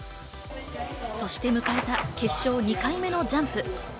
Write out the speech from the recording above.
そして迎えた決勝２回目のジャンプ。